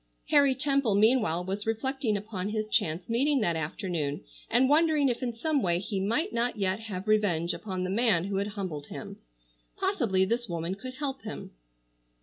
Harry Temple, meanwhile, was reflecting upon his chance meeting that afternoon and wondering if in some way he might not yet have revenge upon the man who had humbled him. Possibly this woman could help him.